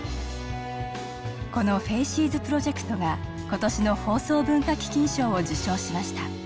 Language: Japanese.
この「ＦＡＣＥＳ」プロジェクトが今年の放送文化基金賞を受賞しました。